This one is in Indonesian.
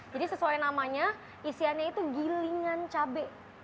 jadi sesuai namanya isiannya itu gilingan cabai